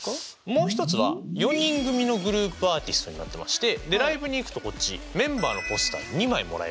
もう１つは４人組のグループアーティストになってましてでライブに行くとこっちメンバーのポスター２枚もらえるんです。